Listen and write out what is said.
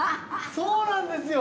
そうなんですよ。